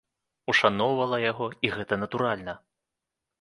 Ушаноўвала яго, і гэта натуральна.